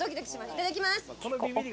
いただきます。